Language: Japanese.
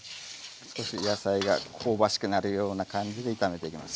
少し野菜が香ばしくなるような感じで炒めていきます。